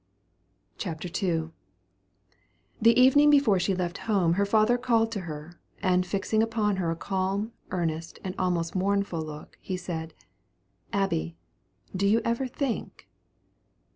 CHAPTER II. The evening before she left home her father called her to him, and fixing upon her a calm, earnest, and almost mournful look, he said, "Abby, do you ever think?"